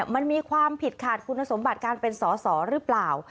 มันมีความผิดขาดคุณสมบัติการเป็นสอสอหรือเปล่า